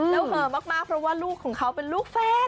แล้วเหอะมากเพราะว่าลูกของเขาเป็นลูกแฟน